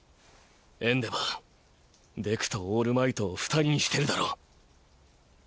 エンデヴァーデクとオールマイトを２人にしてるだろ。